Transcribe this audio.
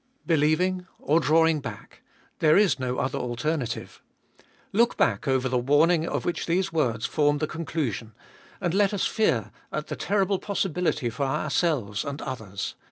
2. Believing or drawing back— there is no other alternative. Look back over the warning of which these words form the conclusion, and let us fear at the terrible possibility for ourselves and others.